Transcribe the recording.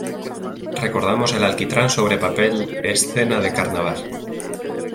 Recordamos el alquitrán sobre papel "Escena de carnaval".